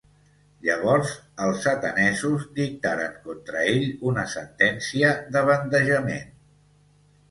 Llavors els atenesos dictaren contra ell una sentència de bandejament